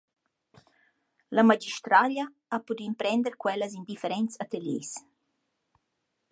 La magistraglia ha pudü imprender quellas in differents ateliers.